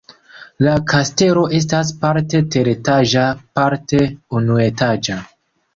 La kastelo estas parte teretaĝa, parte unuetaĝa.